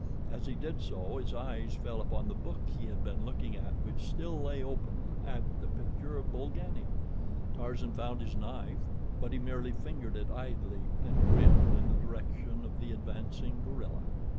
As he did so his eyes fell upon the book he had been looking at which still lay open at the picture of Bolgani. Tarzan found his knife, but he merely fingered it idly and grinned in the direction of the advancing gorilla.